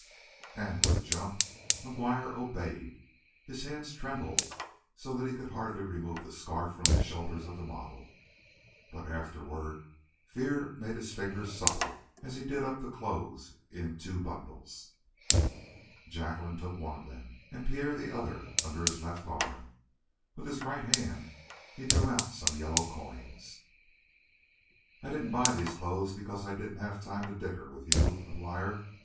And with a jump McGuire obeyed. His hands trembled so that he could hardly remove the scarf from the shoulders of the model, but afterward fear made his fingers supple, as he did up the clothes in two bundles. Jacqueline took one of them and Pierre the other under his left arm; with his right hand he drew out some yellow coins. "I didn't buy these clothes because I didn't have the time to dicker with you, McGuire.